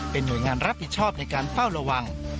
เป็นหน่วยงานรับผิดชอบในการเฝ้าระวัง